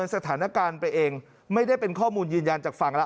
สถานการณ์ไปเองไม่ได้เป็นข้อมูลยืนยันจากฝั่งแล้ว